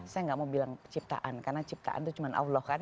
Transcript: saya nggak mau bilang ciptaan karena ciptaan itu cuma allah kan